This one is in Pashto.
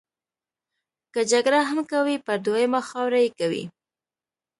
که جګړه هم کوي پر دویمه خاوره یې کوي.